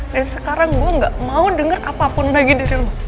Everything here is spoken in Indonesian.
dan sekarang gua gak mau denger apapun lagi dari lo